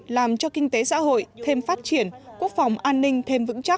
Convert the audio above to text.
làm cho kinh tế xã hội thêm phát triển quốc phòng an ninh thêm vững chắc